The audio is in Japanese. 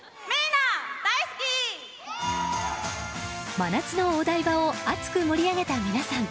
真夏のお台場を熱く盛り上げた皆さん。